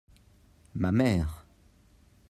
ma mère.